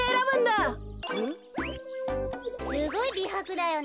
すごいびはくだよね。